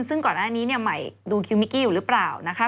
ซึ่งก่อนหน้านี้เนี่ยใหม่ดูคิวมิกกี้อยู่หรือเปล่านะคะ